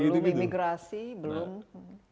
belum imigrasi belum